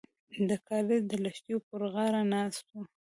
د کاریز د لښتیو پر غاړه ناست وو.